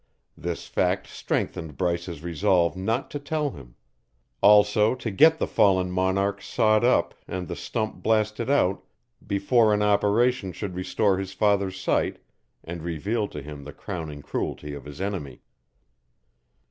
This fact strengthened Bryce's resolve not to tell him also to get the fallen monarch sawed up and the stump blasted out before an operation should restore his father's sight and reveal to him the crowning cruelty of his enemy.